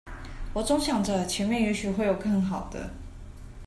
我總想著前面也許會有更好的